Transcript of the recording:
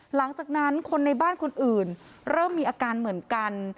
หลังจากนั้นคนในบ้านคนอื่นเริ่มมีอาการเหมือนกัน